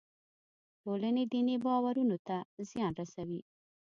ټولنې دیني باورونو ته زیان رسوي.